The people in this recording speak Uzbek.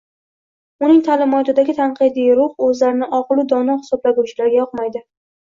Uning ta’limotidagi tanqidiy ruh o‘zlarini oqilu dono hisoblovchilarga yoqmaydi